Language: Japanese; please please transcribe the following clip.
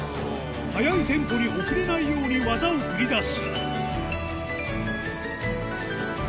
速いテンポに遅れないように技を繰り出す